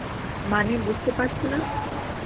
মানে বুঝতে পারছো না?